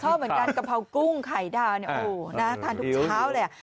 ชอบเหมือนกันกะเพรากุ้งไข่ดาวทานทุกเช้าเลย